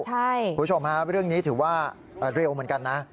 คุณผู้ชมฮะเรื่องนี้ถือว่าเร็วเหมือนกันนะ